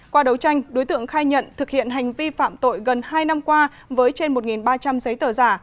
qua đấu tranh đối tượng khai nhận thực hiện hành vi phạm tội gần hai năm qua với trên một ba trăm linh giấy tờ giả